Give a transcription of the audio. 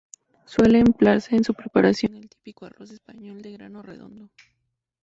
Suele emplearse en su preparación el típico arroz español de grano redondo.